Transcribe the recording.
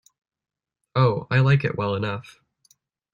Oh, I like it well enough!